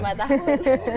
udah lima tahun